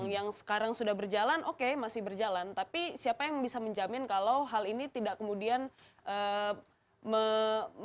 yang sekarang sudah berjalan oke masih berjalan tapi siapa yang bisa menjamin kalau hal ini tidak kemudian